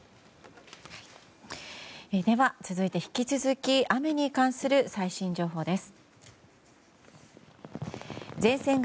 では、続いて引き続き雨に関する最新情報です。